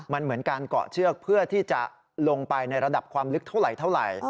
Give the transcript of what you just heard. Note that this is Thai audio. มันเหมือนการเกาะเชือกเพื่อที่จะลงไปในระดับความลึกเท่าไหร่